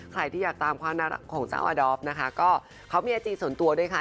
ใครที่อยากตามความน่ารักของเจ้าอดอฟนะคะก็เขามีไอจีส่วนตัวด้วยค่ะ